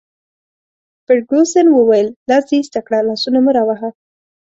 فرګوسن وویل: لاس دي ایسته کړه، لاسونه مه راوهه.